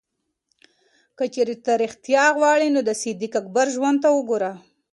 که چېرې ته ریښتیا غواړې، نو د صدیق اکبر ژوند ته وګوره.